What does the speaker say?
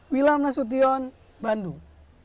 wilham nasution bandung